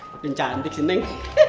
paling cantik sih neng